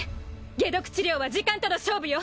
解毒治療は時間との勝負よ！